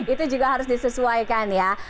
itu juga harus disesuaikan ya